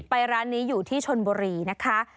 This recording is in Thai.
ร้านนี้อยู่ที่ชนบุรีนะคะ